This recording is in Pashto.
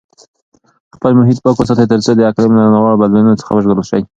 خپل محیط پاک وساتئ ترڅو د اقلیم له ناوړه بدلونونو څخه وژغورل شئ.